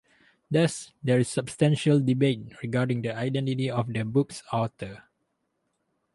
Thus, there is substantial debate regarding the identity of the book's author.